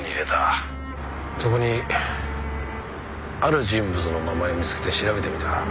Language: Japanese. そこにある人物の名前を見つけて調べてみた。